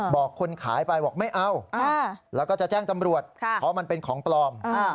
บอกคนขายไปบอกไม่เอาแล้วก็จะแจ้งตำรวจเพราะมันเป็นของปลอม